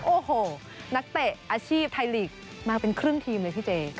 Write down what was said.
โอ้โหนักเตะอาชีพไทยลีกมาเป็นครึ่งทีมเลยพี่เจ